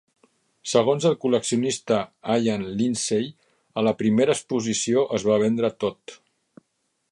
Segons el col·leccionista Ian Lindsay, a la primera exposició es va vendre tot.